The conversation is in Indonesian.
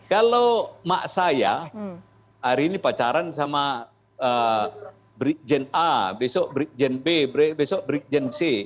kalau mak saya hari ini pacaran sama brikjen a besok berikjen b besok berikjen c